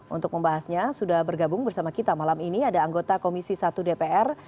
untuk membahasnya sudah bergabung bersama kita malam ini ada anggota komisi satu dpr